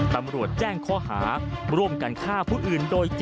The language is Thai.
ตำรวจแจ้งข้อหาร่วมกันฆ่าผู้อื่นโดยจิต